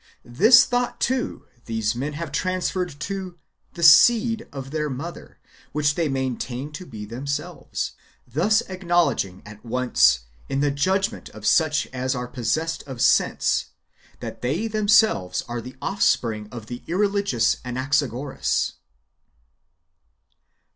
This thought, too, these men have transferred to "the seed" of their Mother, which they maintain to be themselves ; thus acknowledging at once, in the judgment of such as are possessed of sense, that they themselves are the offspring of the irreligious Anaxagoras.